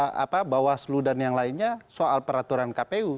yang tugas pokok bawaslu dan yang lainnya soal peraturan kpu